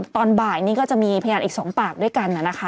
ตอนบ่ายนี้ก็จะมีพยานอีกสองปากด้วยกันนะนะคะ